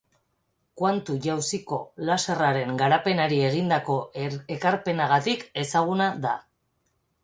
Kuantu-jauziko laserraren garapenari egindako ekarpenagatik ezaguna da.